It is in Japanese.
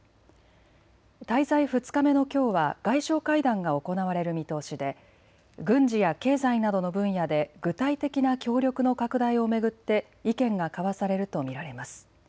滞在２日目のきょうは外相会談が行われる見通しで軍事や経済などの分野で具体的な協力の拡大を巡って意見が交わされると見られます。